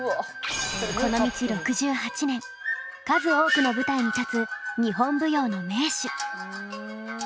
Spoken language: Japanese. この道６８年数多くの舞台に立つ日本舞踊の名手。